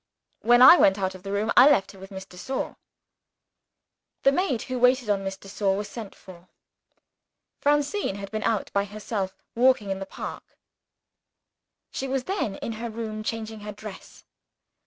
When I went out of the room, I left her with Miss de Sor." The maid who waited on Miss de Sor was sent for. Francine had been out, by herself, walking in the park. She was then in her room, changing her dress.